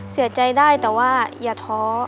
เสียใจได้แต่ว่าอย่าท้อ